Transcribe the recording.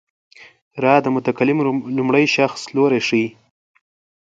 را د متکلم لومړی شخص لوری ښيي.